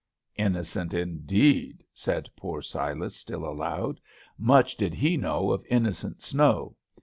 "Innocent, indeed," said poor Silas, still aloud, "much did he know of innocent snow!"